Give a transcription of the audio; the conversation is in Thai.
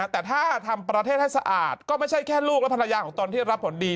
แต่ถ้าทำประเทศให้สะอาดก็ไม่ใช่แค่ลูกและภรรยาของตนที่ได้รับผลดี